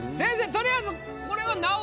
とりあえずこれは直しは？